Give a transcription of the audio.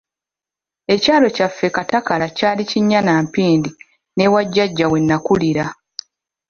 Ekyalo kyaffe Katakala kyali kinnya na mpindi n'ewa Jjajja we nakulira.